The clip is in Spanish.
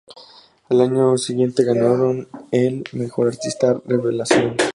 Al año siguiente ganaron el a "Mejor artista revelación".